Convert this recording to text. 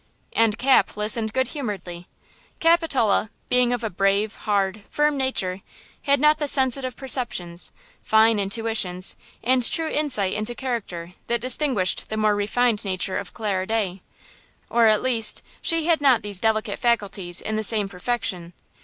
And Cap listened good humoredly. Capitola, being of a brave, hard, firm nature, had not the sensitive perceptions, fine intuitions and true insight into character that distinguished the more refined nature of Clara Day–or, at least, she had not these delicate faculties in the same perfection.